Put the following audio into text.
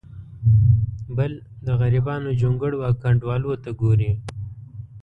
بل د غریبانو جونګړو او کنډوالو ته ګوري.